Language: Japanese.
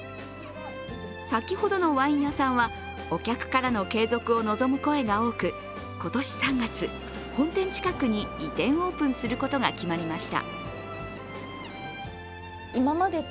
先ほどのワイン屋さんはお客からの継続を望む声が多く今年３月、本店近くに移転オープンすることが決まりました。